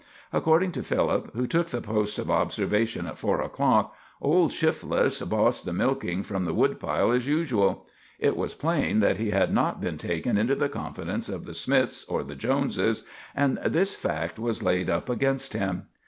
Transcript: According to Philip, who took the post of observation at four o'clock, old Shifless bossed the milking from the woodpile as usual. It was plain that he had not been taken into the confidence of the Smiths or the Joneses, and this fact was laid up against him.